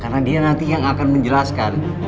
karena dia nanti yang akan menjelaskan